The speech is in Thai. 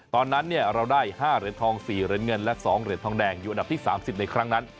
ตอนนั้นเราได้๕เหรียญทอง๔เหรียญเงินและ๒เหรียญทองแดงอยู่อันดับที่๓๐ในครั้งนั้น